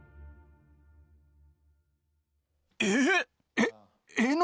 えっ？